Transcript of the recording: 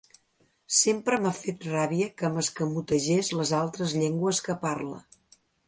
Sempre m'ha fet ràbia que m'escamotegés les altres llengües que parla.